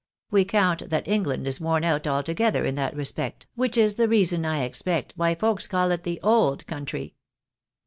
We count that England is worn out altogether in that respect, which is the reason, I expect, why folks call it the old country."